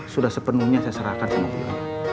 sudah sepenuhnya saya serahkan kemuatannya